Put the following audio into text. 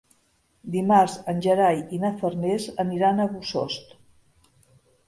Dimarts en Gerai i na Farners aniran a Bossòst.